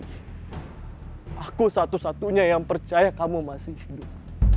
aku satu satunya yang percaya kamu masih hidup